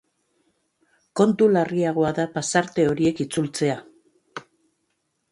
Kontu larriagoa da pasarte horiek itzultzea.